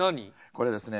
これですね